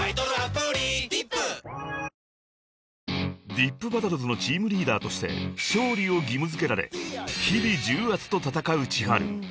［ｄｉｐＢＡＴＴＬＥＳのチームリーダーとして勝利を義務付けられ日々重圧と戦うｃｈｉｈａｒｕ］